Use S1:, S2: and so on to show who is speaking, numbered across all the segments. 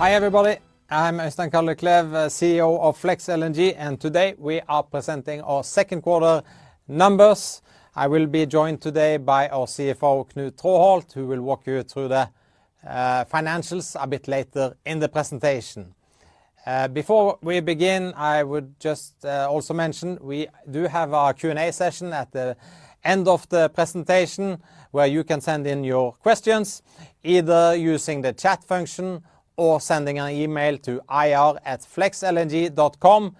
S1: Hi, everybody. I'm Øystein Kallekleiv, CEO of Flex LNG, and today we are presenting our second quarter numbers. I will be joined today by our CFO, Knut Traaholt, who will walk you through the financials a bit later in the presentation. Before we begin, I would just also mention we do have our Q&A session at the end of the presentation, where you can send in your questions, either using the chat function or sending an email to ir@flexlng.com.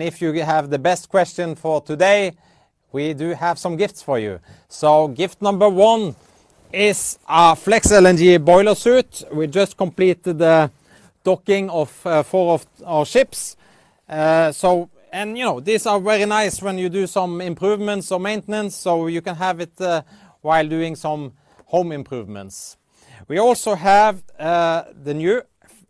S1: If you have the best question for today, we do have some gifts for you. Gift number one is our Flex LNG boiler suit. We just completed the docking of four of our ships. You know, these are very nice when you do some improvements or maintenance, so you can have it while doing some home improvements. We also have the new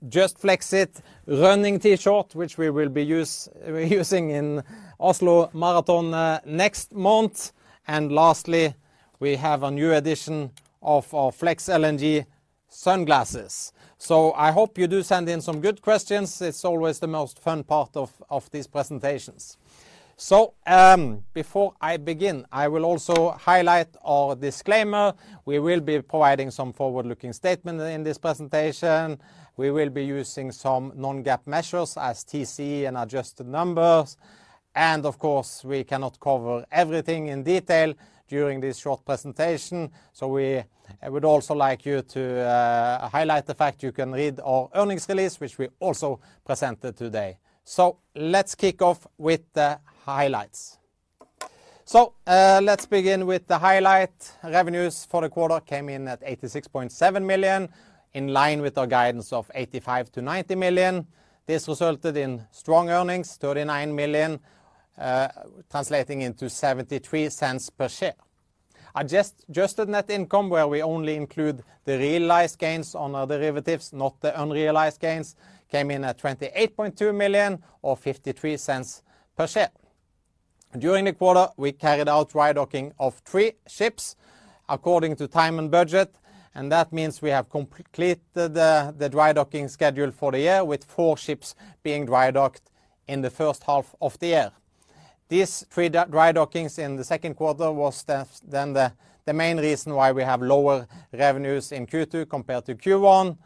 S1: Just Flex It running T-shirt, which we will be using in Oslo Marathon next month. Lastly, we have a new edition of our Flex LNG sunglasses. I hope you do send in some good questions. It's always the most fun part of these presentations. Before I begin, I will also highlight our disclaimer. We will be providing some forward-looking statement in this presentation. We will be using some non-GAAP measures as TCE and adjusted numbers. Of course, we cannot cover everything in detail during this short presentation, so we would also like you to highlight the fact you can read our earnings release, which we also presented today. Let's kick off with the highlights. Let's begin with the highlight. Revenues for the quarter came in at $86.7 million, in line with our guidance of $85 million-$90 million. This resulted in strong earnings, $39 million, translating into $0.73 per share. Adjusted net income, where we only include the realized gains on our derivatives, not the unrealized gains, came in at $28.2 million, or $0.53 per share. During the quarter, we carried out dry docking of three ships according to time and budget. That means we have completed the dry docking schedule for the year, with four ships being dry docked in the first half of the year. These three dry dockings in the second quarter was the main reason why we have lower revenues in Q2 compared to Q1.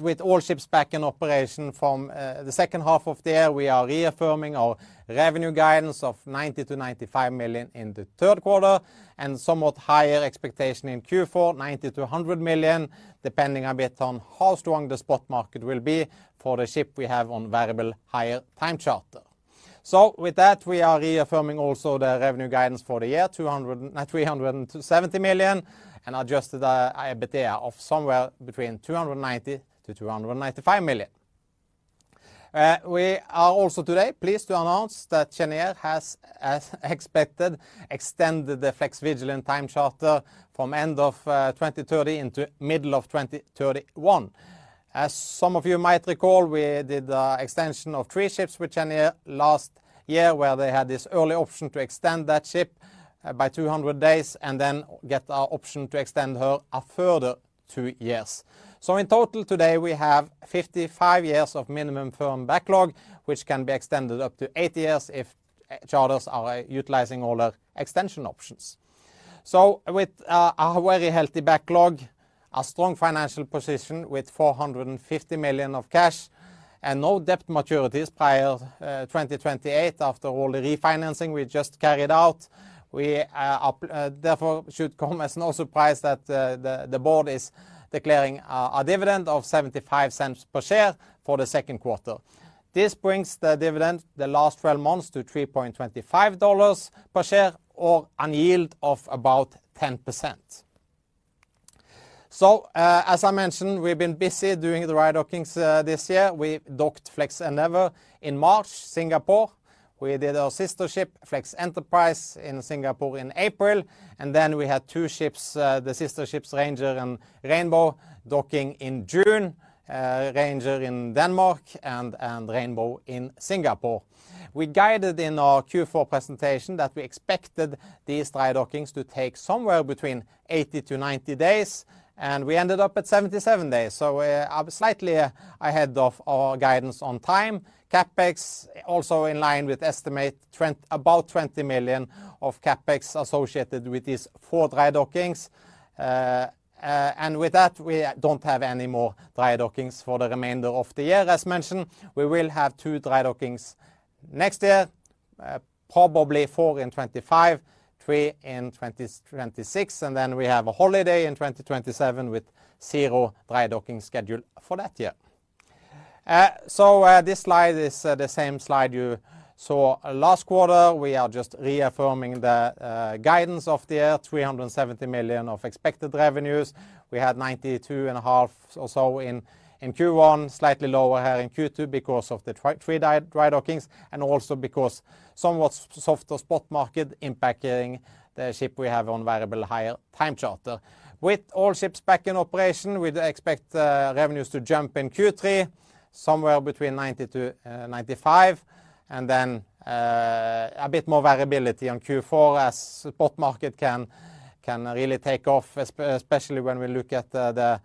S1: With all ships back in operation from the second half of the year, we are reaffirming our revenue guidance of $90 million-$95 million in the third quarter, and somewhat higher expectation in Q4, $90 million-$100 million, depending a bit on how strong the spot market will be for the ship we have on variable hire time charter. With that, we are reaffirming also the revenue guidance for the year, $370 million, and Adjusted EBITDA of somewhere between $290 million-$295 million. We are also today pleased to announce that Cheniere has, as expected, extended the Flex Vigilant time charter from end of 2030 into middle of 2031. As some of you might recall, we did a extension of 3 ships with Cheniere last year, where they had this early option to extend that ship, by 200 days, and then get a option to extend her a further 2 years. In total today, we have 55 years of minimum firm backlog, which can be extended up to 80 years if charters are utilizing all the extension options. With a, a very healthy backlog, a strong financial position with $450 million of cash, and no debt maturities prior 2028, after all the refinancing we just carried out, we are, therefore, should come as no surprise that the, the, the board is declaring a, a dividend of $0.75 per share for the second quarter. This brings the dividend the last 12 months to $3.25 per share or an yield of about 10%. As I mentioned, we've been busy doing the dry dockings this year. We docked Flex Endeavour in March, Singapore. We did our sister ship, Flex Enterprise, in Singapore in April. Then we had two ships, the sister ships, Ranger and Rainbow, docking in June, Ranger in Denmark and Rainbow in Singapore. We guided in our Q4 presentation that we expected these dry dockings to take somewhere between 80-90 days. We ended up at 77 days. We are slightly ahead of our guidance on time. CapEx also in line with estimate, about $20 million of CapEx associated with these four dry dockings. With that, we don't have any more dry dockings for the remainder of the year. As mentioned, we will have two dry dockings next year, probably four in 2025, three in 2026, and then we have a holiday in 2027 with zero dry docking schedule for that year. This slide is the same slide you saw last quarter. We are just reaffirming the guidance of the year, $370 million of expected revenues. We had $92.5 million or so in Q1, slightly lower here in Q2 because of the three dry dockings and also because somewhat softer spot market impacting the ship we have on variable hire time charter. With all ships back in operation, we expect revenues to jump in Q3, somewhere between $90 million-$95 million, and then a bit more variability on Q4 as spot market can, can really take off, especially when we look at the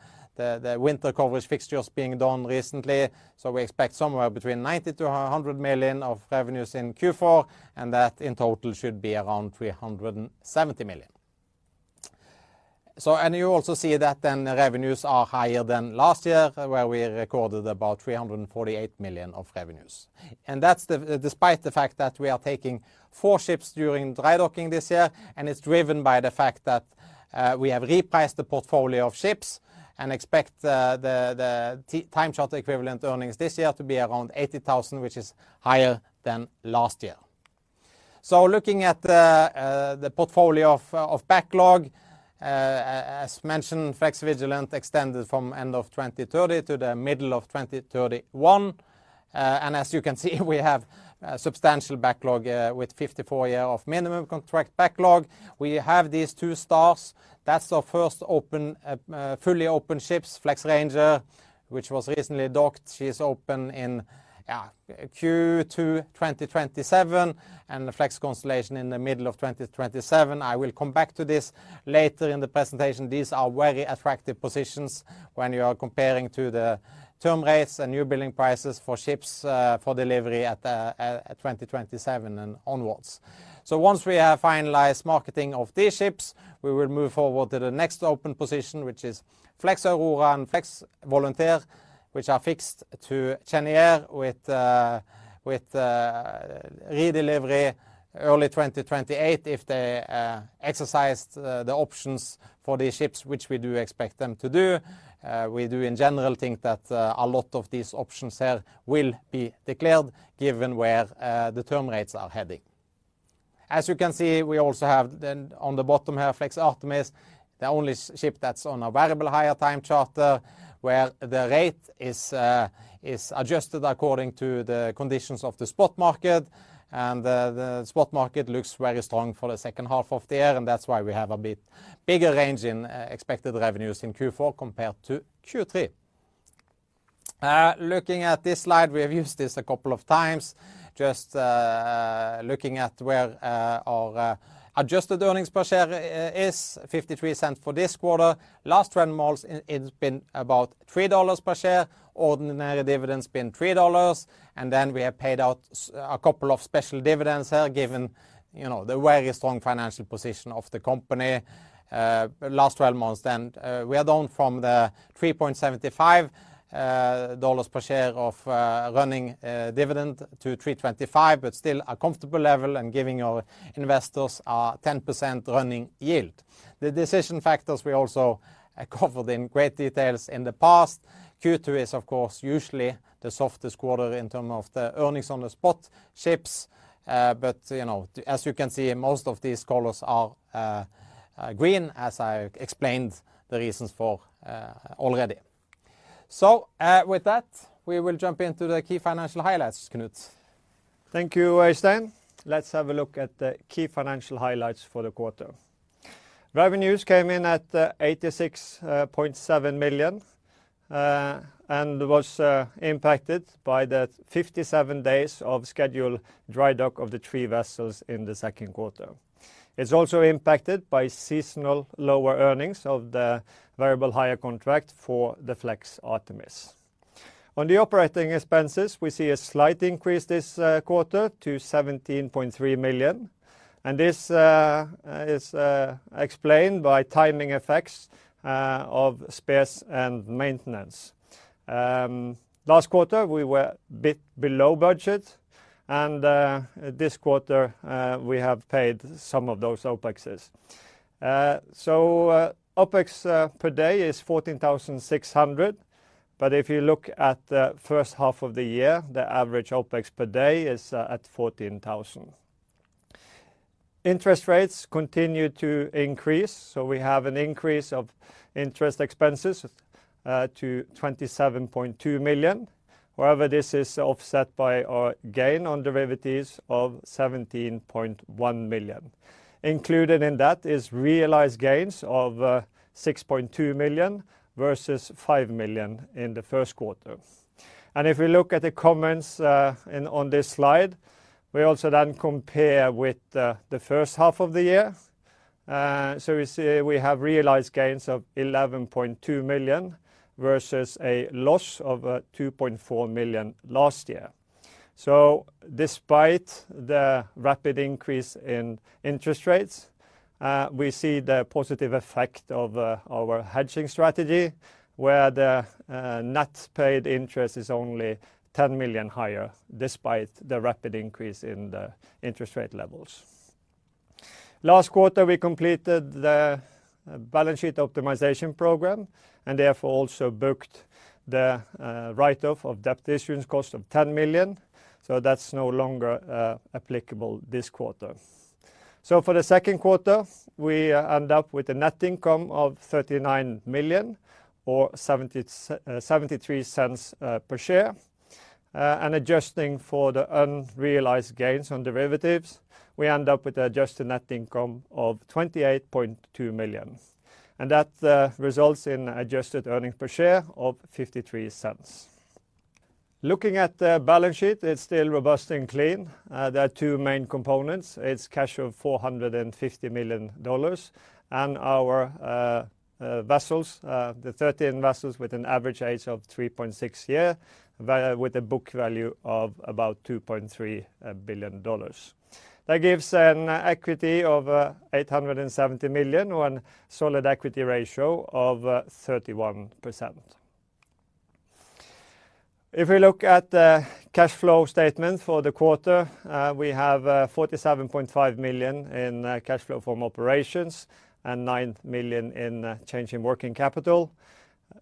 S1: winter coverage fixtures being done recently. We expect somewhere between $90 million-$100 million of revenues in Q4, and that in total should be around $370 million. You also see that then the revenues are higher than last year, where we recorded about $348 million of revenues. That's despite the fact that we are taking 4 ships during dry docking this year, and it's driven by the fact that we have repriced the portfolio of ships and expect the time charter equivalent earnings this year to be around 80,000, which is higher than last year. Looking at the portfolio of backlog, as mentioned, Flex Vigilant extended from end of 2030 to the middle of 2031. And as you can see, we have a substantial backlog, with 54 year of minimum contract backlog. We have these 2 stars. That's our first open, fully open ships, Flex Ranger, which was recently docked. She's open in Q2 2027, and the Flex Constellation in the middle of 2027. I will come back to this later in the presentation. These are very attractive positions when you are comparing to the term rates and new building prices for ships, for delivery at the, at 2027 and onwards. Once we have finalized marketing of these ships, we will move forward to the next open position, which is Flex Aurora and Flex Volunteer, which are fixed to Cheniere with, with redelivery early 2028. If they exercise the, the options for these ships, which we do expect them to do, we do in general think that a lot of these options here will be declared given where the term rates are heading. You can see, we also have then on the bottom here, Flex Artemis, the only ship that's on a variable hire time charter, where the rate is adjusted according to the conditions of the spot market. The spot market looks very strong for the second half of the year, and that's why we have a bit bigger range in expected revenues in Q4 compared to Q3. Looking at this slide, we have used this a couple of times. Just looking at where our adjusted earnings per share is $0.53 for this quarter. Last 12 months, it's been about $3 per share. Ordinary dividend's been $3, and then we have paid out a couple of special dividends here, given, you know, the very strong financial position of the company, last 12 months. We are down from the $3.75 per share of running dividend to $3.25, but still a comfortable level and giving our investors a 10% running yield. The decision factors we also covered in great details in the past. Q2 is of course, usually the softest quarter in terms of the earnings on the spot ships. You know, as you can see, most of these colors are green, as I explained the reasons for already. With that, we will jump into the key financial highlights, Knut.
S2: Thank you, Øystein. Let's have a look at the key financial highlights for the quarter. Revenues came in at $86.7 million and was impacted by the 57 days of scheduled dry dock of the 3 vessels in the second quarter. It's also impacted by seasonal lower earnings of the variable hire contract for the Flex Artemis. On the operating expenses, we see a slight increase this quarter to $17.3 million, and this is explained by timing effects of space and maintenance. Last quarter, we were a bit below budget, and this quarter, we have paid some of those OpExes. OpEx per day is $14,600, but if you look at the first half of the year, the average OpEx per day is at $14,000. Interest rates continue to increase, so we have an increase of interest expenses, to $27.2 million. However, this is offset by our gain on derivatives of $17.1 million. Included in that is realized gains of, $6.2 million versus $5 million in the first quarter. If we look at the comments, in on this slide, we also then compare with the, the first half of the year. We see we have realized gains of $11.2 million versus a loss of, $2.4 million last year. Despite the rapid increase in interest rates, we see the positive effect of, our hedging strategy, where the, net paid interest is only $10 million higher, despite the rapid increase in the interest rate levels. Last quarter, we completed the balance sheet optimization program and therefore also booked the write-off of debt issues cost of $10 million. That's no longer applicable this quarter. For the second quarter, we end up with a net income of $39 million or $0.73 per share. Adjusting for the unrealized gains on derivatives, we end up with an adjusted net income of $28.2 million. That results in adjusted earnings per share of $0.53. Looking at the balance sheet, it's still robust and clean. There are two main components. It's cash of $450 million and our vessels, the 13 vessels with an average age of 3.6 year, with a book value of about $2.3 billion. That gives an equity of $870 million, one solid equity ratio of 31%. If we look at the cash flow statement for the quarter, we have $47.5 million in cash flow from operations and $9 million in change in working capital.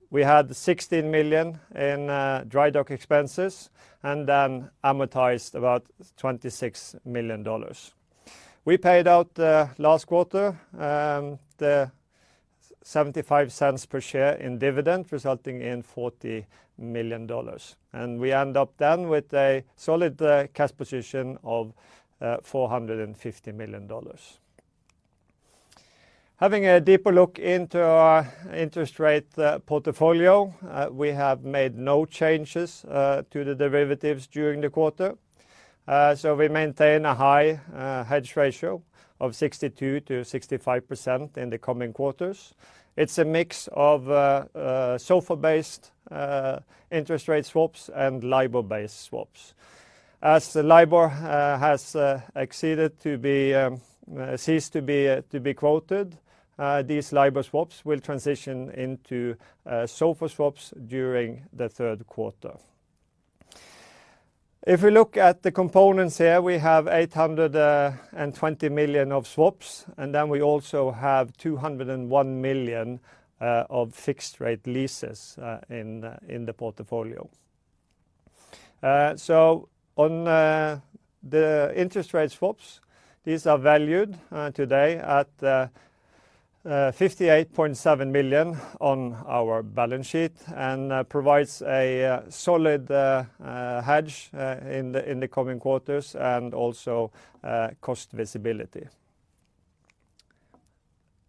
S2: We had $16 million in dry dock expenses and then amortized about $26 million. We paid out last quarter the $0.75 per share in dividend, resulting in $40 million. We end up then with a solid cash position of $450 million. Having a deeper look into our interest rate portfolio, we have made no changes to the derivatives during the quarter. So we maintain a high hedge ratio of 62%-65% in the coming quarters. It's a mix of SOFR-based interest rate swaps and LIBOR-based swaps. As the LIBOR has ceased to be quoted, these LIBOR swaps will transition into SOFR swaps during the third quarter. If we look at the components here, we have $820 million of swaps, and then we also have $201 million of fixed-rate leases in the portfolio. So on the interest rate swaps, these are valued today at $58.7 million on our balance sheet and provides a solid hedge in the coming quarters and also cost visibility.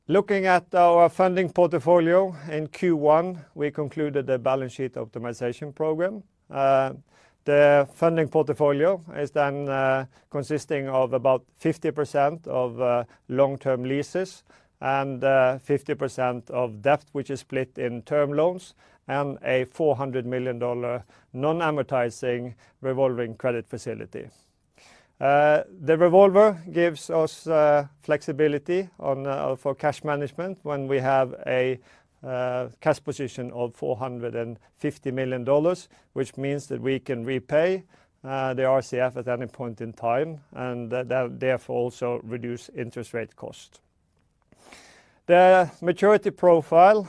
S2: Looking at our funding portfolio, in Q1, we concluded the balance sheet optimization program. The funding portfolio is consisting of about 50% of long-term leases and 50% of debt, which is split in term loans and a $400 million non-amortizing revolving credit facility. The revolver gives us flexibility on for cash management when we have a cash position of $450 million, which means that we can repay the RCF at any point in time, and that, that therefore also reduce interest rate cost. The maturity profile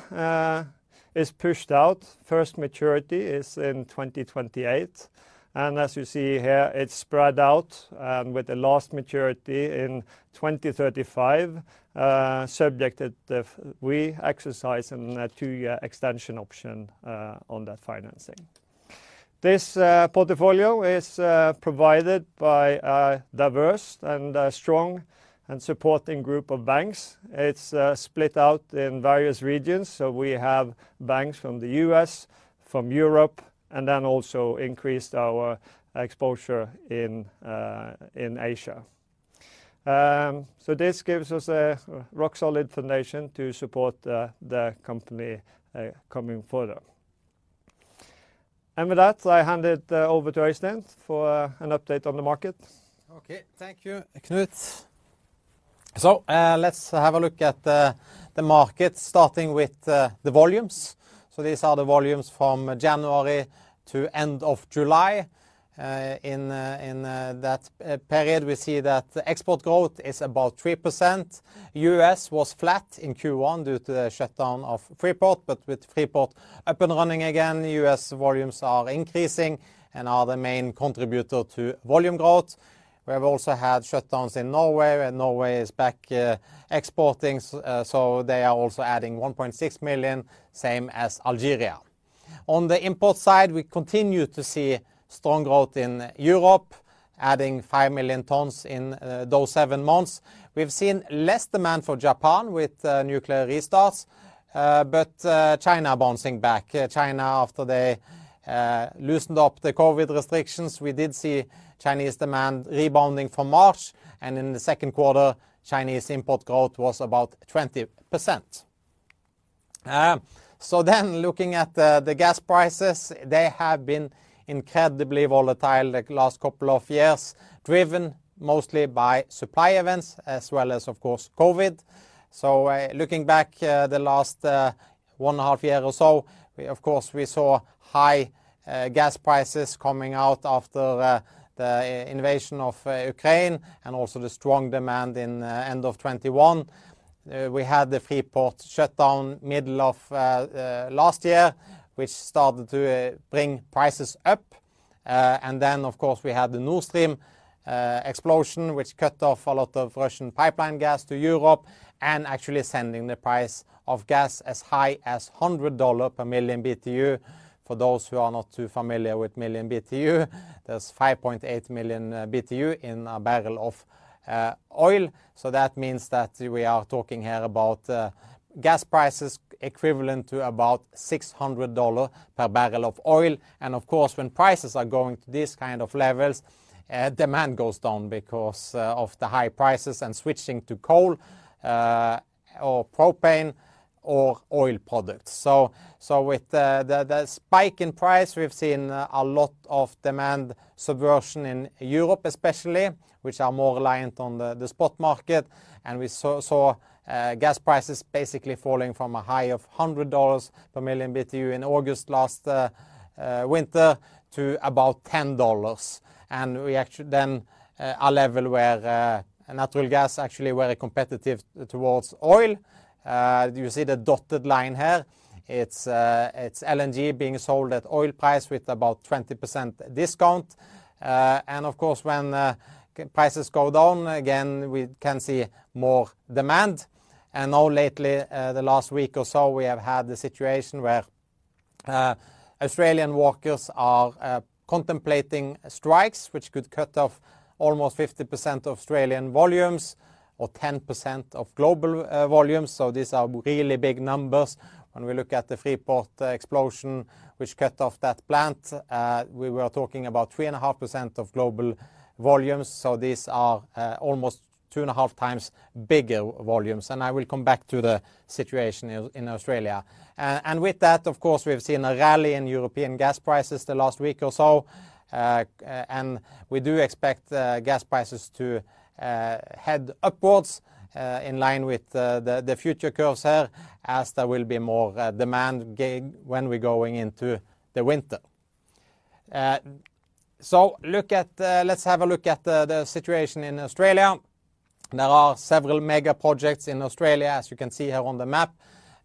S2: is pushed out. First maturity is in 2028, and as you see here, it's spread out with the last maturity in 2035, subject that if we exercise a 2-year extension option on that financing. This portfolio is provided by a diverse and a strong and supporting group of banks. It's split out in various regions, so we have banks from the US, from Europe, and then also increased our exposure in Asia. So this gives us a rock-solid foundation to support the company coming further. With that, I hand it over to Øystein for an update on the market.
S1: Okay. Thank you, Knut. Let's have a look at the market, starting with the volumes. These are the volumes from January to end of July. In that period, we see that the export growth is about 3%. US was flat in Q1 due to the shutdown of Freeport, but with Freeport up and running again, US volumes are increasing and are the main contributor to volume growth. We have also had shutdowns in Norway, and Norway is back exporting, so they are also adding 1.6 million, same as Algeria. On the import side, we continue to see strong growth in Europe, adding 5 million tons in those seven months. We've seen less demand for Japan with nuclear restarts, but China bouncing back. China, after they loosened up the COVID restrictions, we did see Chinese demand rebounding from March, and in the second quarter, Chinese import growth was about 20%. Looking at the gas prices, they have been incredibly volatile the last couple of years, driven mostly by supply events as well as, of course, COVID. Looking back, the last 1.5 years or so, we of course, we saw high gas prices coming out after the invasion of Ukraine and also the strong demand in end of 2021. We had the Freeport shut down middle of last year, which started to bring prices up. Then, of course, we had the Nord Stream explosion, which cut off a lot of Russian pipeline gas to Europe and actually sending the price of gas as high as $100 per million Btu. For those who are not too familiar with million Btu, there's 5.8 million Btu in a barrel of oil. That means that we are talking here about gas prices equivalent to about $600 per barrel of oil. Of course, when prices are going to these kind of levels, demand goes down because of the high prices and switching to coal, or propane, or oil products. With the, the, the spike in price, we've seen a lot of demand subversion in Europe especially, which are more reliant on the, the spot market. We saw gas prices basically falling from a high of $100 per million Btu in August last winter to about $10. We actually then, a level where natural gas actually very competitive towards oil. You see the dotted line here, it's LNG being sold at oil price with about 20% discount. Of course, when prices go down, again, we can see more demand. Now lately, the last week or so, we have had the situation where Australian workers are contemplating strikes, which could cut off almost 50% of Australian volumes or 10% of global volumes. These are really big numbers. When we look at the Freeport explosion, which cut off that plant, we were talking about 3.5% of global volumes. So these are, almost 2.5 times bigger volumes, and I will come back to the situation in, in Australia. With that, of course, we've seen a rally in European gas prices the last week or so. We do expect gas prices to head upwards in line with the, the, the future curves here, as there will be more demand gain when we're going into the winter. Let's have a look at the, the situation in Australia. There are several mega projects in Australia, as you can see here on the map.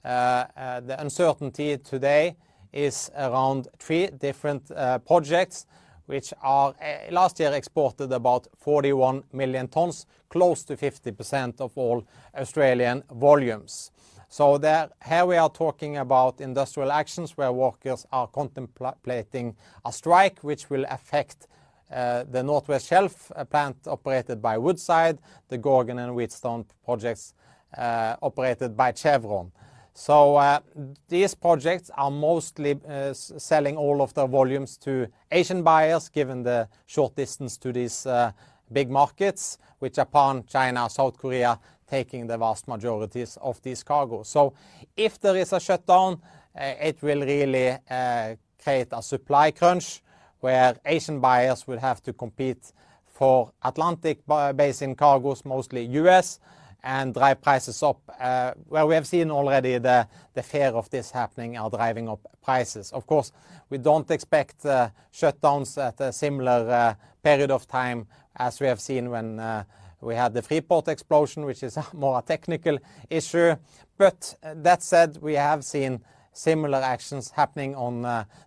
S1: The uncertainty today is around 3 different projects, which are last year exported about 41 million tons, close to 50% of all Australian volumes. There, here we are talking about industrial actions where workers are contemplating a strike, which will affect the North West Shelf, a plant operated by Woodside, the Gorgon and Wheatstone projects, operated by Chevron. These projects are mostly selling all of the volumes to Asian buyers, given the short distance to these big markets, with Japan, China, South Korea, taking the vast majorities of these cargos. If there is a shutdown, it will really create a supply crunch, where Asian buyers will have to compete for Atlantic basin cargos, mostly US, and drive prices up. Well, we have seen already the, the fear of this happening are driving up prices. Of course, we don't expect the shutdowns at a similar period of time as we have seen when we had the Freeport explosion, which is more a technical issue. That said, we have seen similar actions happening on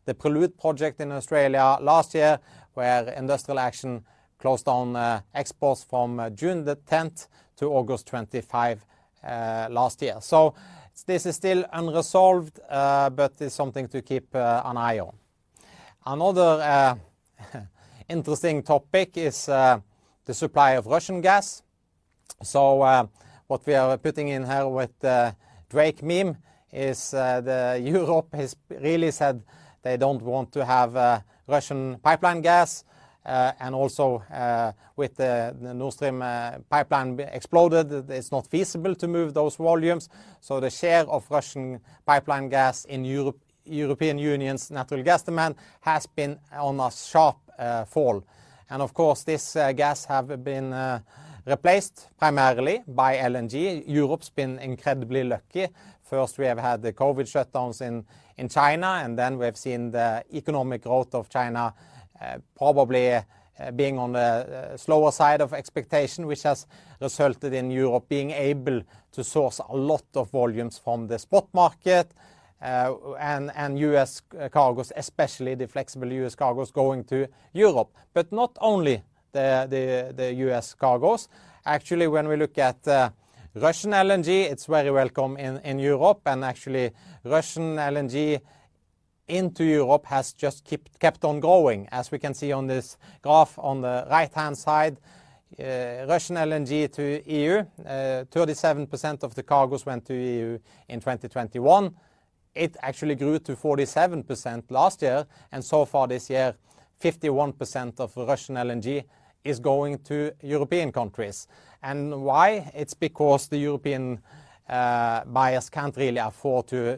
S1: the Prelude project in Australia last year, where industrial action closed down exports from June 10th to August 25 last year. This is still unresolved, but it's something to keep an eye on. Another interesting topic is the supply of Russian gas. What we are putting in here with the Drake meme is Europe has really said they don't want to have Russian pipeline gas. Also, with the Nord Stream pipeline exploded, it's not feasible to move those volumes. The share of Russian pipeline gas in European Union's natural gas demand has been on a sharp fall. Of course, this gas have been replaced primarily by LNG. Europe's been incredibly lucky. First, we have had the COVID shutdowns in China, and then we've seen the economic growth of China probably being on the slower side of expectation, which has resulted in Europe being able to source a lot of volumes from the spot market, and US cargos, especially the flexible US cargos going to Europe. Not only the US cargos. Actually, when we look at Russian LNG, it's very welcome in Europe, and actually, Russian LNG into Europe has just kept on growing. As we can see on this graph on the right-hand side, Russian LNG to EU, 37% of the cargos went to EU in 2021. It actually grew to 47% last year, so far this year, 51% of Russian LNG is going to European countries. Why? It's because the European buyers can't really afford to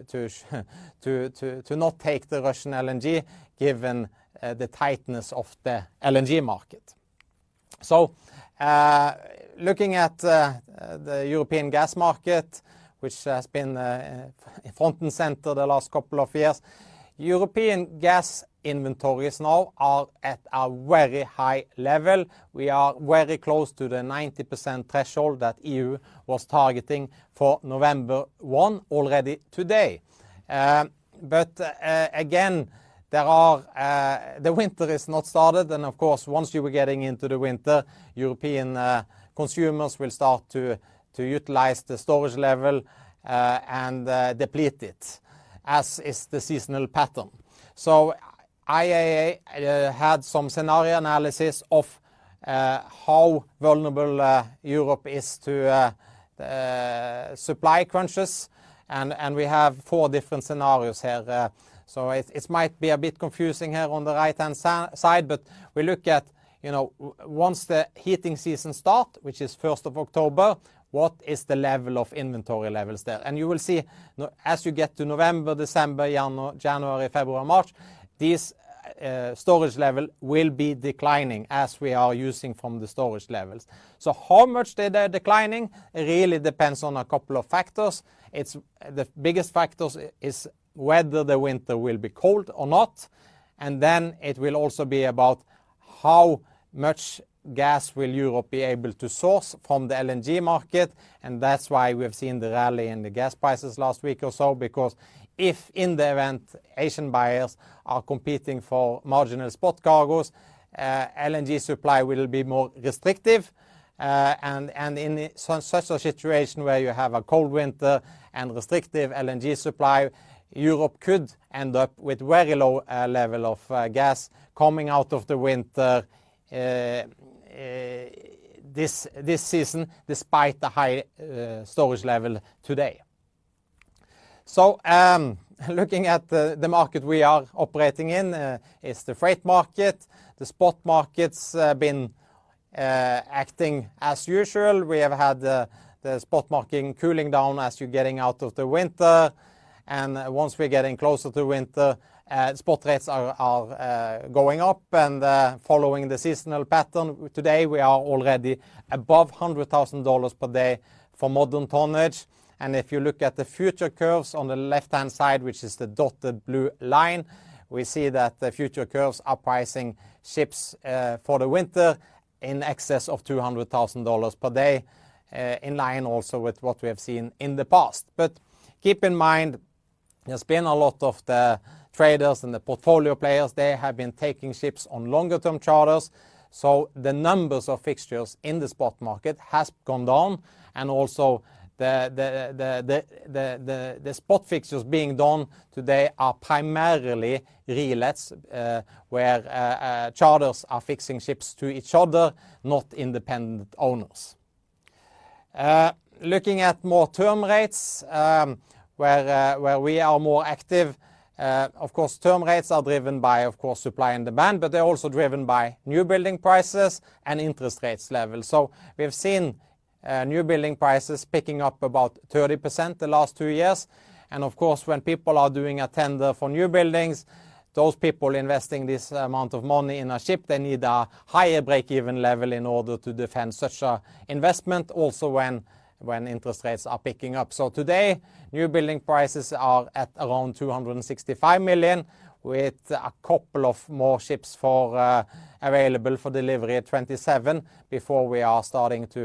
S1: not take the Russian LNG, given the tightness of the LNG market. Looking at the European gas market, which has been front and center the last couple of years, European gas inventories now are at a very high level. We are very close to the 90% threshold that EU was targeting for November 1 already today. Again, there are... the winter is not started, and of course, once you are getting into the winter, European consumers will start to utilize the storage level and deplete it, as is the seasonal pattern. IEA had some scenario analysis of how vulnerable Europe is to supply crunches, and we have four different scenarios here. So it might be a bit confusing here on the right-hand side, but we look at, you know, once the heating season start, which is first of October, what is the level of inventory levels there? You will see, as you get to November, December, January, February, March, this storage level will be declining as we are using from the storage levels. How much they are declining really depends on a couple of factors. It's the biggest factors is whether the winter will be cold or not. Then it will also be about how much gas will Europe be able to source from the LNG market. That's why we've seen the rally in the gas prices last week or so, because if in the event Asian buyers are competing for marginal spot cargos, LNG supply will be more restrictive. In such a situation where you have a cold winter and restrictive LNG supply, Europe could end up with very low level of gas coming out of the winter this season, despite the high storage level today. Looking at the market we are operating in, it's the freight market. The spot market's been acting as usual. We have had the spot market cooling down as you're getting out of the winter. Once we're getting closer to winter, spot rates are going up and following the seasonal pattern. Today, we are already above $100,000 per day for modern tonnage. If you look at the future curves on the left-hand side, which is the dotted blue line, we see that the future curves are pricing ships for the winter in excess of $200,000 per day, in line also with what we have seen in the past. Keep in mind, there's been a lot of the traders and the portfolio players, they have been taking ships on longer-term charters. The numbers of fixtures in the spot market has gone down, and also the spot fixtures being done today are primarily relets, where charters are fixing ships to each other, not independent owners. Looking at more term rates, where we are more active, of course, term rates are driven by, of course, supply and demand, but they're also driven by new building prices and interest rates level. We've seen new building prices picking up about 30% the last 2 years. Of course, when people are doing a tender for new buildings, those people investing this amount of money in a ship, they need a higher breakeven level in order to defend such a investment. Also, when, when interest rates are picking up. Today, new building prices are at around $265 million, with a couple of more ships for available for delivery at 2027 before we are starting to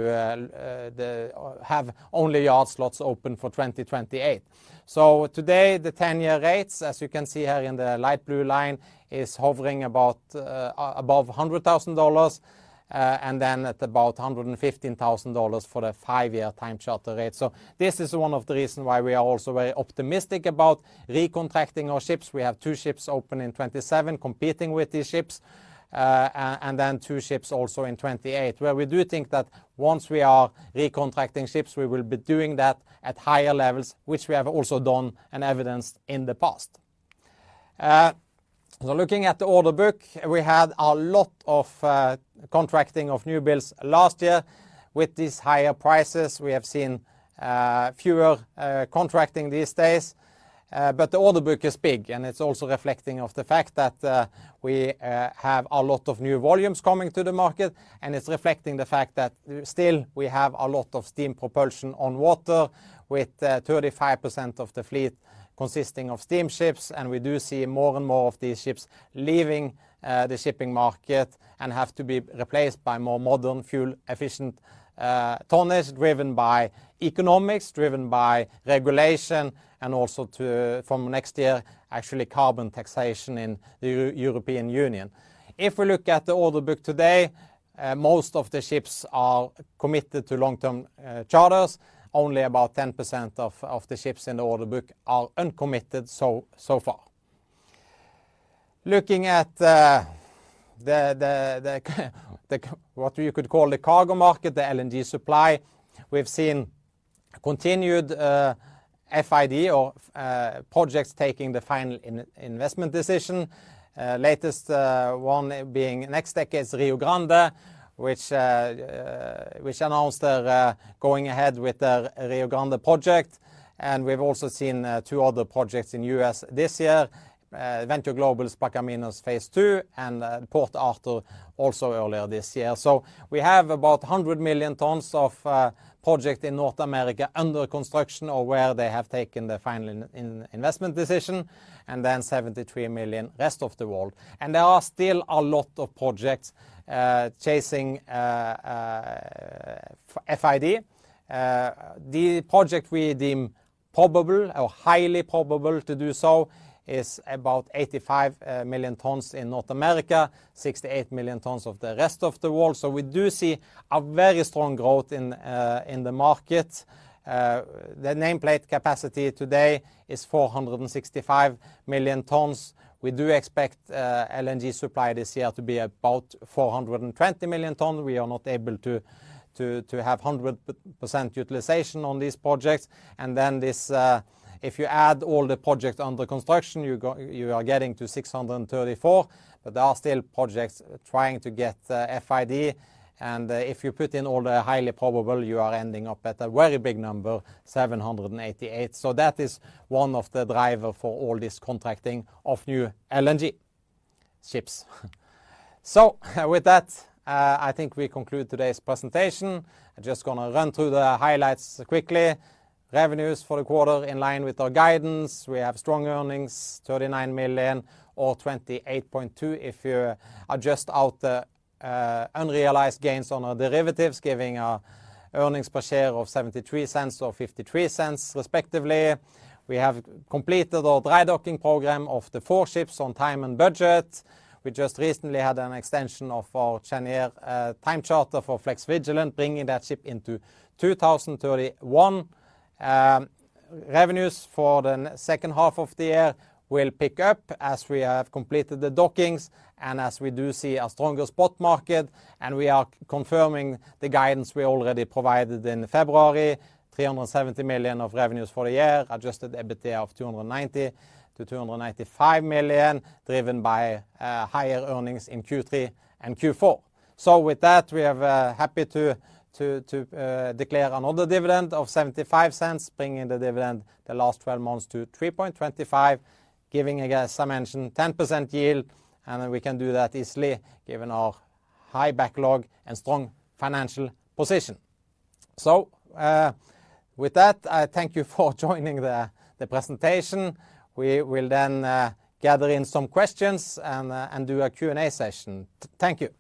S1: have only yard slots open for 2028. Today, the 10-year rates, as you can see here in the light blue line, is hovering about above $100,000, and then at about $115,000 for the 5-year time charter rate. This is one of the reasons why we are also very optimistic about recontracting our ships. We have two ships open in 2027 competing with these ships, and then two ships also in 2028, where we do think that once we are recontracting ships, we will be doing that at higher levels, which we have also done and evidenced in the past. Looking at the order book, we had a lot of contracting of new builds last year. With these higher prices, we have seen fewer contracting these days. The order book is big, and it's also reflecting of the fact that we have a lot of new volumes coming to the market, and it's reflecting the fact that still, we have a lot of steam propulsion on water, with 35% of the fleet consisting of steamships. We do see more and more of these ships leaving the shipping market and have to be replaced by more modern, fuel-efficient tonnage, driven by economics, driven by regulation, and also from next year, actually, carbon taxation in the European Union. If we look at the order book today, most of the ships are committed to long-term charters. Only about 10% of, of the ships in the order book are uncommitted so, so far. Looking at the, the, the, the, what you could call the cargo market, the LNG supply, we've seen continued FID or projects taking the final investment decision. Latest one being NextDecade's Rio Grande, which announced that going ahead with the Rio Grande project. We've also seen 2 other projects in US this year, Venture Global's Plaquemines LNG Phase Two and Port Arthur also earlier this year. We have about 100 million tons of project in North America under construction or where they have taken the final investment decision, then 73 million, rest of the world. There are still a lot of projects chasing FID. The project we deem probable or highly probable to do so is about 85 million tons in North America, 68 million tons of the rest of the world. We do see a very strong growth in the market. The nameplate capacity today is 465 million tons. We do expect LNG supply this year to be about 420 million tons. We are not able to have 100% utilization on these projects. If you add all the projects under construction, you are getting to 634, but there are still projects trying to get FID. If you put in all the highly probable, you are ending up at a very big number, 788. That is one of the driver for all this contracting of new LNG ships. With that, I think we conclude today's presentation. I'm just gonna run through the highlights quickly. Revenues for the quarter in line with our guidance. We have strong earnings, $39 million, or $28.2 if you adjust out the unrealized gains on our derivatives, giving a earnings per share of $0.73 or $0.53, respectively. We have completed our dry-docking program of the four ships on time and budget. We just recently had an extension of our Cheniere time charter for Flex Vigilant, bringing that ship into 2031. Revenues for the second half of the year will pick up as we have completed the dockings and as we do see a stronger spot market. We are confirming the guidance we already provided in February, $370 million of revenues for the year, Adjusted EBITDA of $290 million-$295 million, driven by higher earnings in Q3 and Q4. With that, we are happy to declare another dividend of $0.75, bringing the dividend the last 12 months to $3.25, giving, as I mentioned, 10% yield. We can do that easily, given our high backlog and strong financial position. With that, I thank you for joining the presentation. We will then gather in some questions and do a Q&A session. Thank you.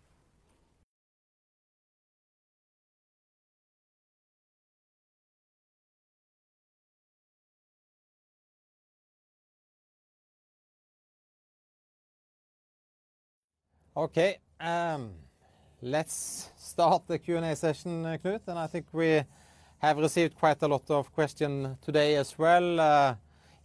S1: Okay, let's start the Q&A session, Knut. I think we have received quite a lot of question today as well,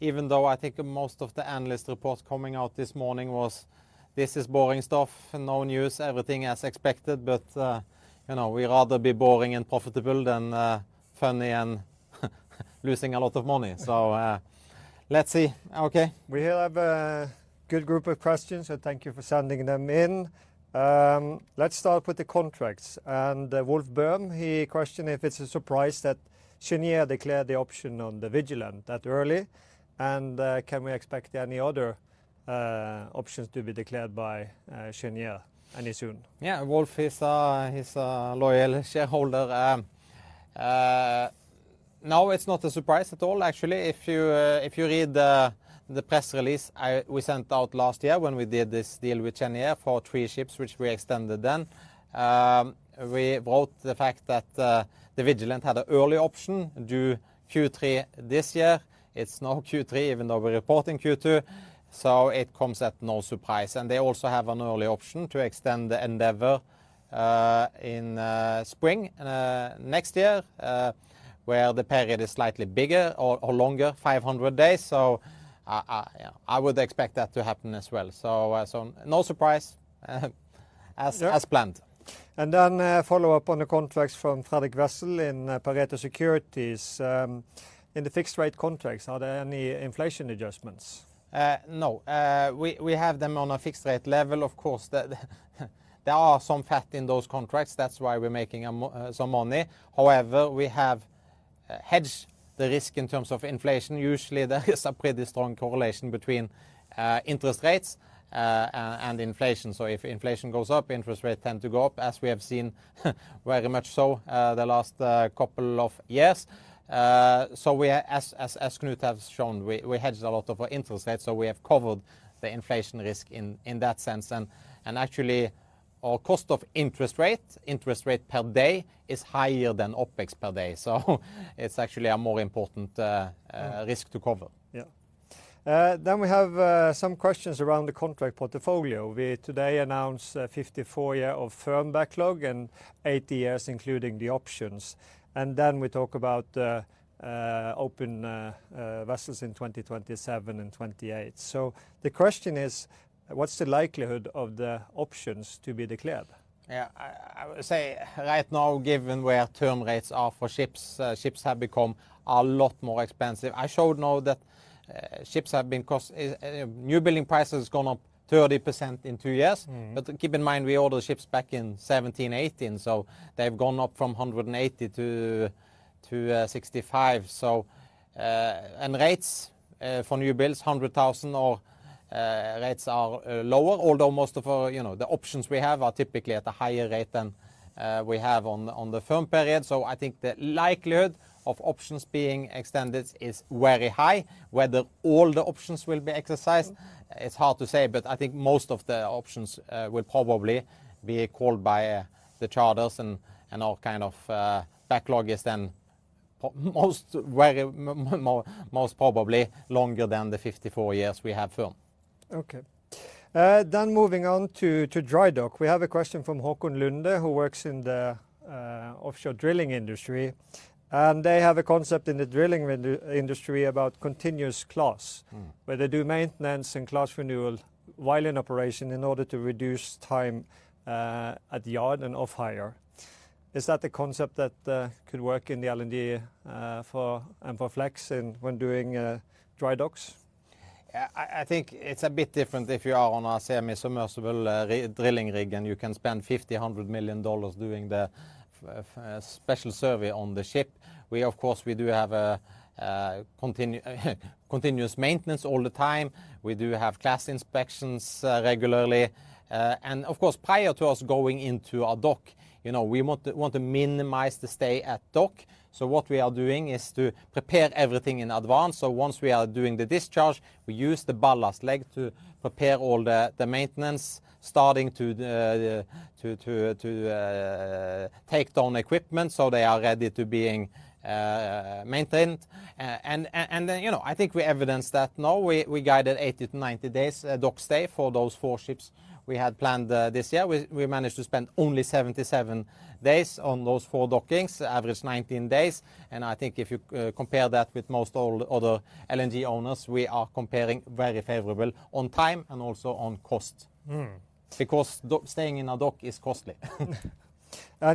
S1: even though I think most of the analyst reports coming out this morning was, "This is boring stuff and no news. Everything as expected." You know, we'd rather be boring and profitable than funny and losing a lot of money. Let's see. Okay.
S2: We here have a good group of questions, so thank you for sending them in. Let's start with the contracts, and Wouter Nokta, he questioned if it's a surprise that Cheniere declared the option on the Vigilant that early, and can we expect any other options to be declared by Cheniere any soon?
S1: Yeah, Wouter is a, he's a loyal shareholder. No, it's not a surprise at all. Actually, if you read the press release we sent out last year when we did this deal with Cheniere for 3 ships, which we extended then, we wrote the fact that the Vigilant had an early option due Q3 this year. It's now Q3, even though we're reporting Q2, so it comes at no surprise. They also have an early option to extend the Endeavour in spring next year, where the period is slightly bigger or longer, 500 days. I would expect that to happen as well. No surprise.
S2: Yeah
S1: as planned.
S2: Follow-up on the contracts from Fredrik Rosvallin Pareto Securities. In the fixed-rate contracts, are there any inflation adjustments?
S1: No. We, we have them on a fixed-rate level. Of course, the there are some fat in those contracts. That's why we're making some money. However, we have hedged the risk in terms of inflation. Usually, there is a pretty strong correlation between interest rates and inflation. If inflation goes up, interest rates tend to go up, as we have seen, very much so the last couple of years. So we are... As, as, as Knut has shown, we, we hedged a lot of our interest rates, so we have covered the inflation risk in, in that sense. Actually, our cost of interest rate, interest rate per day, is higher than OpEx per day, so it's actually a more important.
S2: Yeah
S1: risk to cover.
S2: Yeah. Then we have some questions around the contract portfolio. We today announced 54 year of firm backlog and 80 years, including the options. Then we talk about open vessels in 2027 and 2028. The question is, what's the likelihood of the options to be declared?
S1: Yeah, I, I would say right now, given where term rates are for ships, ships have become a lot more expensive. I showed now that ships have been cost, newbuilding prices have gone up 30% in two years.
S2: Mm.
S1: Keep in mind, we ordered ships back in 2017, 2018. They've gone up from 180 to 65. And rates for new builds, $100,000 or rates are lower, although most of our, you know, the options we have are typically at a higher rate than we have on the firm period. I think the likelihood of options being extended is very high. Whether all the options will be exercised-
S2: Mm...
S1: it's hard to say, but I think most of the options will probably be called by the charters, and our kind of backlog is then most probably longer than the 54 years we have firm.
S2: Okay. moving on to, to dry dock. We have a question from Haakon Lunde, who works in the offshore drilling industry, and they have a concept in the drilling industry about continuous class.
S1: Mm...
S2: where they do maintenance and class renewal while in operation in order to reduce time at the yard and off hire. Is that a concept that could work in the LNG for, and for Flex in, when doing dry docks?
S1: I, I think it's a bit different if you are on, say, a submersible drilling rig, and you can spend $50 million-$100 million doing the special survey on the ship. We, of course, we do have continuous maintenance all the time. We do have class inspections regularly. Of course, prior to us going into a dock, you know, we want to minimize the stay at dock. What we are doing is to prepare everything in advance. Once we are doing the discharge, we use the ballast leg to prepare all the maintenance, starting to take down equipment so they are ready to being maintained. you know, I think we evidenced that, no, we, we guided 80-90 days, dock stay for those four ships we had planned, this year. We, we managed to spend only 77 days on those four dockings, average 19 days, and I think if you compare that with most all other LNG owners, we are comparing very favorable on time and also on cost.
S2: Mm.
S1: Staying in a dock is costly.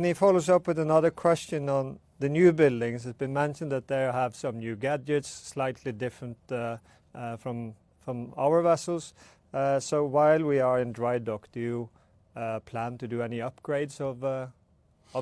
S2: He follows up with another question on the new buildings. It's been mentioned that they have some new gadgets, slightly different from our vessels. So while we are in dry dock, do you plan to do any upgrades of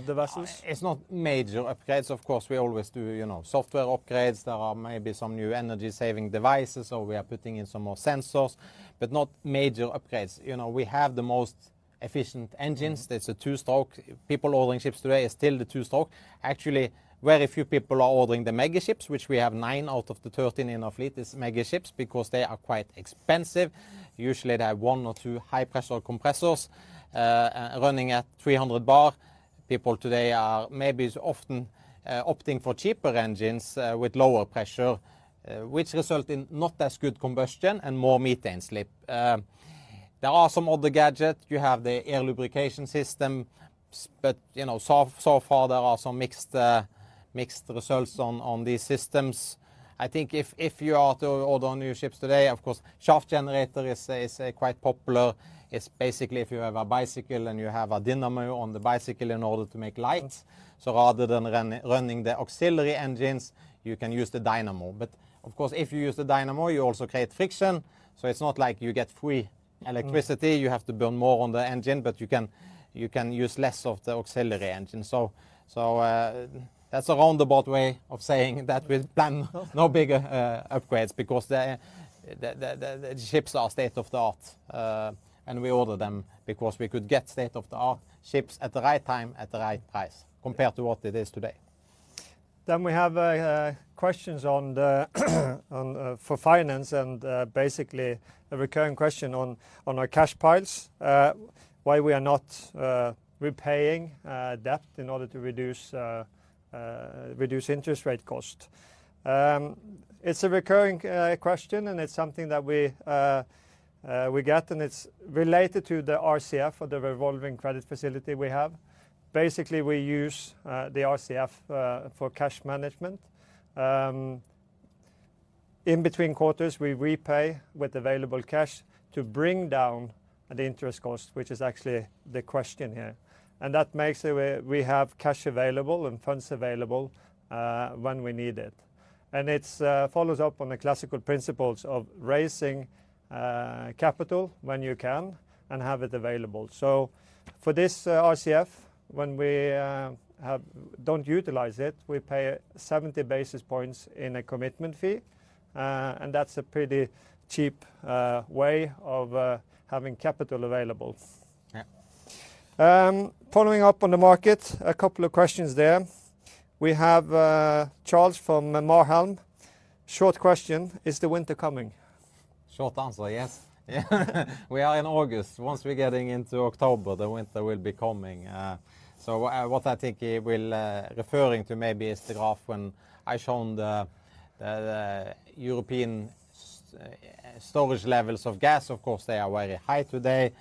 S2: the vessels?
S1: It's not major upgrades. Of course, we always do, you know, software upgrades. There are maybe some new energy-saving devices, or we are putting in some more sensors, but not major upgrades. You know, we have the most efficient engines.
S2: Mm.
S1: There's a two-stroke. People ordering ships today is still the two-stroke. Actually, very few people are ordering the mega ships, which we have 9 out of the 13 in our fleet is mega ships, because they are quite expensive. Usually, they have 1 or 2 high-pressure compressors, running at 300 bar. People today are maybe often opting for cheaper engines, with lower pressure, which result in not as good combustion and more methane slip. There are some other gadgets. You have the air lubrication system, but, you know, so, so far there are some mixed, mixed results on these systems. I think if, if you are to order new ships today, of course, shaft generator is, is quite popular. It's basically if you have a bicycle and you have a dynamo on the bicycle in order to make lights.
S2: Mm.
S1: Rather than running the auxiliary engines, you can use the dynamo. Of course, if you use the dynamo, you also create friction, so it's not like you get free electricity.
S2: Mm.
S1: You have to burn more on the engine, but you can, you can use less of the auxiliary engine. That's a roundabout way of saying that we plan no bigger upgrades because the ships are state-of-the-art. We order them because we could get state-of-the-art ships at the right time, at the right price-
S2: Yeah...
S1: compared to what it is today.
S2: We have questions on the, on, for finance and, basically, a recurring question on, on our cash piles. Why we are not repaying debt in order to reduce reduce interest rate cost? It's a recurring question, and it's something that we get, and it's related to the RCF, or the revolving credit facility, we have. Basically, we use the RCF for cash management. In between quarters, we repay with available cash to bring down the interest cost, which is actually the question here. That makes it where we have cash available and funds available when we need it. It's follows up on the classical principles of raising capital when you can and have it available. For this RCF, when we have... don't utilize it, we pay 70 basis points in a commitment fee. That's a pretty cheap way of having capital available.
S1: Yeah.
S2: Following up on the market, a couple of questions there. We have Charles from Marhelm. Short question: "Is the winter coming?
S1: Short answer, yes. Yeah, we are in August. Once we're getting into October, the winter will be coming. What I think he will referring to maybe is the graph when I shown the European storage levels of gas. Of course, they are very high today,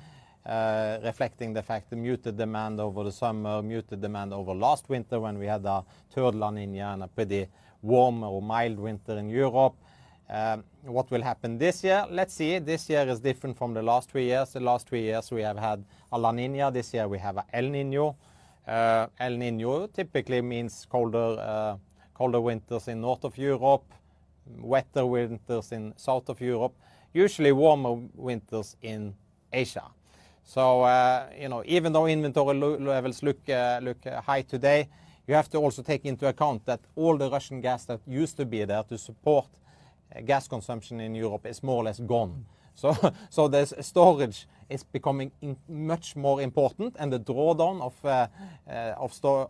S1: reflecting the fact the muted demand over the summer, muted demand over last winter when we had a third La Niña and a pretty warm or mild winter in Europe. What will happen this year? Let's see. This year is different from the last three years. The last three years, we have had a La Niña. This year we have a El Niño. El Niño typically means colder, colder winters in north of Europe, wetter winters in south of Europe, usually warmer winters in Asia. You know, even though inventory levels look high today, you have to also take into account that all the Russian gas that used to be there to support gas consumption in Europe is more or less gone. Storage is becoming in much more important, and the drawdown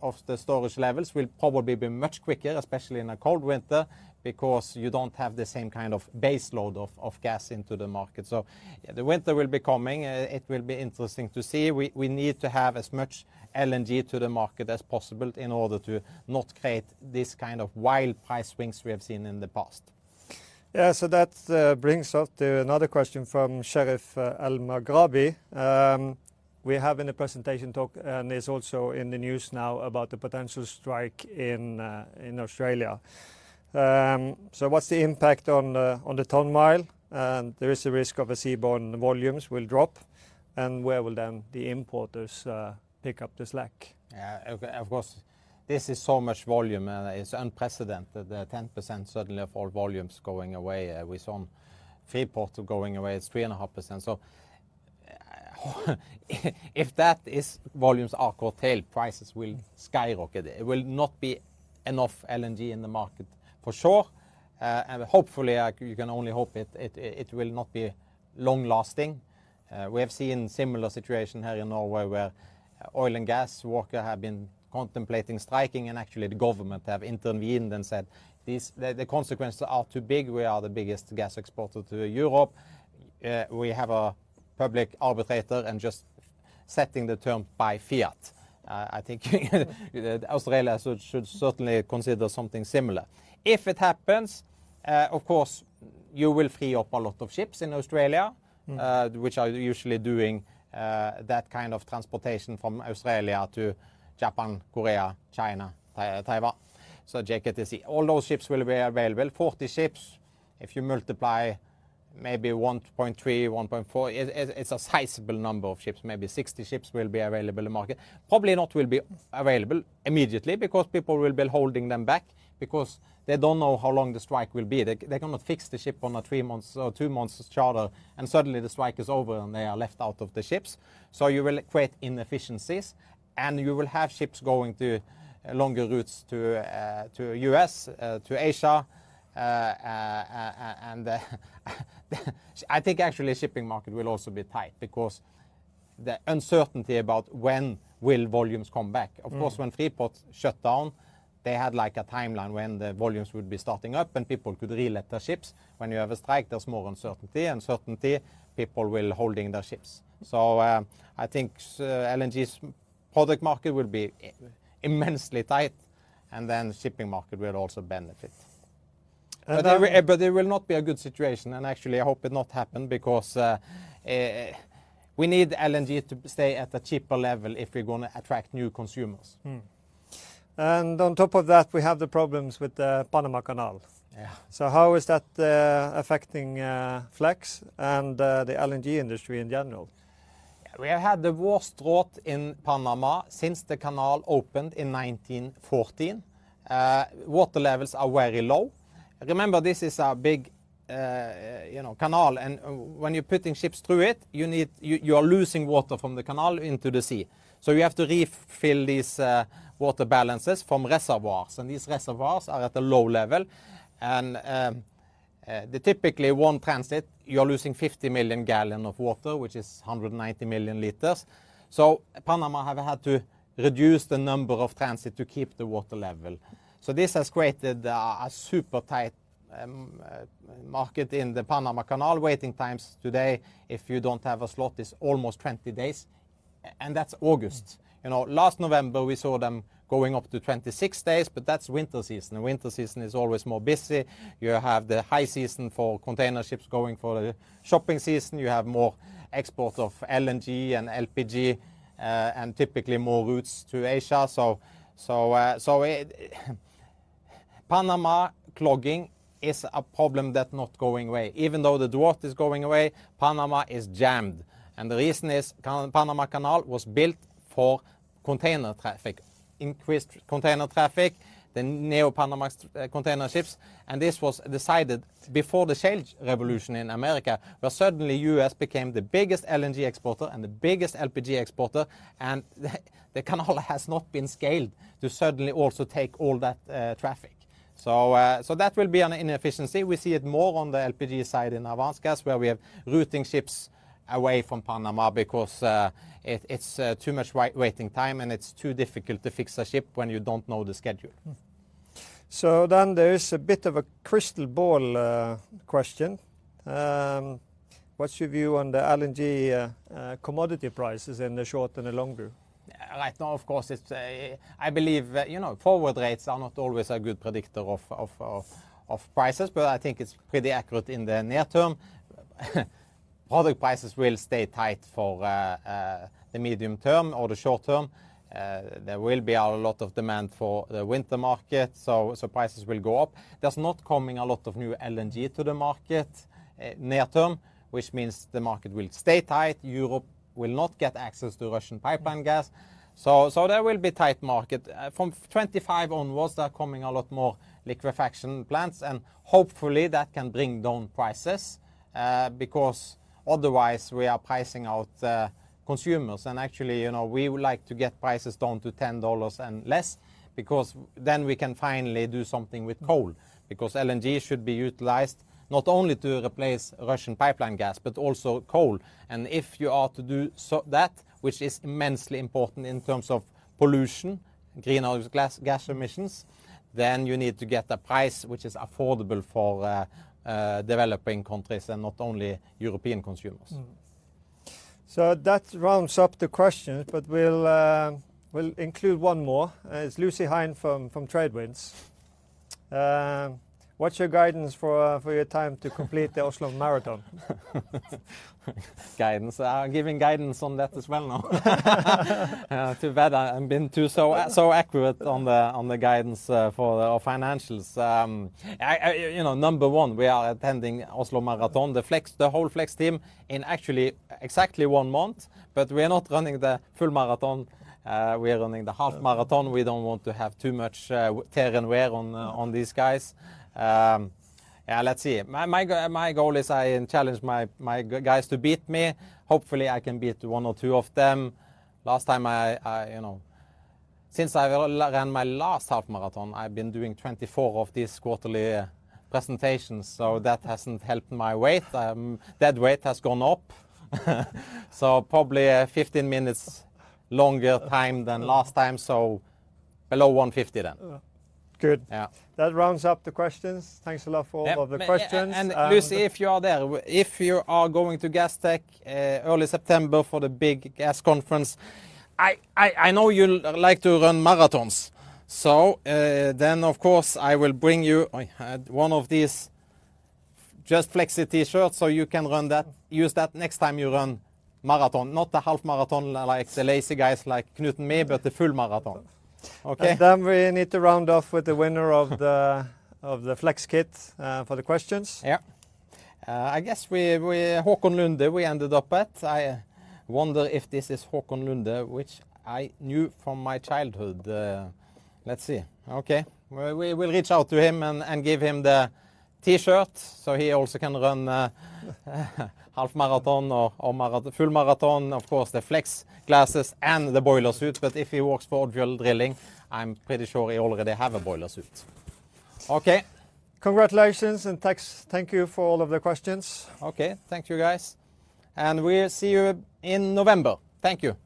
S1: of the storage levels will probably be much quicker, especially in a cold winter, because you don't have the same kind of base load of gas into the market. Yeah, the winter will be coming. It will be interesting to see. We, we need to have as much LNG to the market as possible in order to not create this kind of wild price swings we have seen in the past.
S2: Yeah, that brings us to another question from Sherif Elmaghraby. We have in the presentation talk, and it's also in the news now, about the potential strike in Australia. What's the impact on the, on the ton mile? There is a risk of a seaborne volumes will drop, and where will then the importers pick up the slack?
S1: Yeah, of, of course, this is so much volume, and it's unprecedented, the 10% suddenly of all volumes going away. We saw Freeport going away, it's 3.5%. If that is volumes are curtailed, prices will skyrocket. It will not be enough LNG in the market, for sure, and hopefully, you can only hope it, it, it will not be long-lasting. We have seen similar situation here in Norway, where oil and gas worker have been contemplating striking, and actually the government have intervened and said, "This... The, the consequences are too big. We are the biggest gas exporter to Europe." We have a public arbitrator, and just setting the term by fiat. I think Australia should, should certainly consider something similar. If it happens, of course, you will free up a lot of ships in Australia.
S2: Mm...
S1: which are usually doing that kind of transportation from Australia to Japan, Korea, China, Taiwan. JKTC, all those ships will be available. 40 ships, if you multiply maybe 1.3, 1.4, it, it, it's a sizable number of ships. Maybe 60 ships will be available in the market. Probably not will be available immediately, because people will be holding them back because they don't know how long the strike will be. They, they cannot fix the ship on a 3 months or 2 months charter, and suddenly the strike is over, and they are left out of the ships. You will create inefficiencies, and you will have ships going to longer routes to, to US, to Asia. And, I think actually the shipping market will also be tight, because the uncertainty about when will volumes come back.
S2: Mm.
S1: Of course, when Freeport shut down, they had, like, a timeline when the volumes would be starting up, and people could relet their ships. When you have a strike, there's more uncertainty. Uncertainty, people will holding their ships. I think LNG's product market will be immensely tight, and then the shipping market will also benefit.
S2: And, um-
S1: There, but it will not be a good situation, and actually, I hope it not happen, because, we need LNG to stay at a cheaper level if we're gonna attract new consumers.
S2: Mm. On top of that, we have the problems with the Panama Canal.
S1: Yeah.
S2: How is that affecting Flex and the LNG industry in general?
S1: Yeah, we have had the worst drought in Panama since the canal opened in 1914. Water levels are very low. Remember, this is a big, you know, canal, and when you're putting ships through it, you need... You, you are losing water from the canal into the sea, so you have to refill these water balances from reservoirs, and these reservoirs are at a low level. Typically one transit, you're losing 50 million gallon of water, which is 190 million liters. Panama have had to reduce the number of transit to keep the water level. This has created a, a super tight market in the Panama Canal. Waiting times today, if you don't have a slot, is almost 20 days, and that's August.
S2: Mm.
S1: You know, last November, we saw them going up to 26 days. That's winter season, and winter season is always more busy.
S2: Mm.
S1: You have the high season for container ships going for the shopping season. You have more export of LNG and LPG, and typically more routes to Asia. Panama clogging is a problem that not going away. Even though the drought is going away, Panama is jammed, and the reason is Panama Canal was built for container traffic. Increased container traffic, the Neo-Panamax container ships, and this was decided before the shale revolution in America, where suddenly US became the biggest LNG exporter and the biggest LPG exporter, and the canal has not been scaled to suddenly also take all that traffic. That will be an inefficiency. We see it more on the LPG side in Avance Gas, where we have routing ships away from Panama because it, it's too much waiting time, and it's too difficult to fix a ship when you don't know the schedule.
S2: There is a bit of a crystal ball question. What's your view on the LNG commodity prices in the short and the longer?
S1: Right now, of course, it's a. I believe, you know, forward rates are not always a good predictor of, of, of, of prices, but I think it's pretty accurate in the near term. Product prices will stay tight for the medium term or the short term. There will be a lot of demand for the winter market, prices will go up. There's not coming a lot of new LNG to the market near term, which means the market will stay tight. Europe will not get access to Russian pipeline gas, there will be tight market. From 2025 onwards, there are coming a lot more liquefaction plants, and hopefully, that can bring down prices because otherwise, we are pricing out consumers. Actually, you know, we would like to get prices down to $10 and less, because then we can finally do something with coal. LNG should be utilized not only to replace Russian pipeline gas but also coal, and if you are to do so, that which is immensely important in terms of pollution, greenhouse gas, gas emissions, then you need to get a price which is affordable for developing countries and not only European consumers.
S2: Mm. That rounds up the questions, but we'll include 1 more. It's Lucy Hine from, from TradeWinds. What's your guidance for your time to complete the Oslo Marathon?
S1: Guidance. Giving guidance on that as well now? Too bad I, I've been too, so, so accurate on the, on the guidance for our financials. I, I, you know, number one, we are attending Oslo Marathon, the Flex, the whole Flex team, in actually exactly 1 month, but we are not running the full marathon. We are running the half marathon.
S2: Yeah.
S1: We don't want to have too much tear and wear on these guys. Yeah, let's see. My goal is I challenge my guys to beat me.
S2: Mm.
S1: Hopefully, I can beat one or two of them. Last time I, I, you know... Since I ran my last half marathon, I've been doing 24 of these quarterly, presentations, so that hasn't helped my weight. That weight has gone up. Probably, 15 minutes longer time-
S2: Yeah...
S1: than last time, so below 150 then.
S2: Yeah. Good.
S1: Yeah.
S2: That rounds up the questions. Thanks a lot for-
S1: Yeah...
S2: all of the questions.
S1: Lucy, if you are there, if you are going to Gastech early September for the big gas conference, I know you like to run marathons. Then, of course, I will bring you, I had one of these Just Flex It T-shirt, so you can run that, use that next time you run marathon. Not the half marathon, like the lazy guys like Knut and me, but the full marathon. Okay?
S2: Then we need to round off with the winner of the Flex kit for the questions.
S1: Yeah. I guess we, we, Haakon Lunde, we ended up at. I wonder if this is Haakon Lunde, which I knew from my childhood... Let's see. Okay, well, we will reach out to him and, and give him the T-shirt, so he also can run, half marathon or, or marathon, full marathon, of course, the Flex glasses and the boiler suit. If he works for offshore drilling, I'm pretty sure he already have a boiler suit. Okay.
S2: Congratulations, and thanks, thank you for all of the questions.
S1: Okay. Thank you, guys, and we'll see you in November. Thank you.